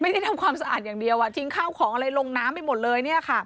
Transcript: ไม่ได้ทำความสะอาดอย่างเดียวทิ้งข้าวของอะไรลงน้ำไปหมดเลย